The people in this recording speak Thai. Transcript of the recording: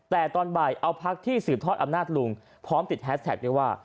แต่ตอนบ่ายเอาพักที่สืบทอดอำนาจลุงพร้อมติดแฮสแท็กด้วยว่า